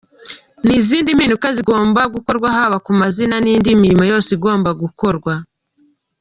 N’izindi mpinduka zigomba gukorwa haba ku mazina n’indi mirimo yose igomba gukorwa.